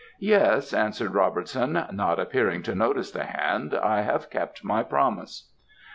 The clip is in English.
"'Yes,' answered Robertson, not appearing to notice the hand, 'I have kept my promise.'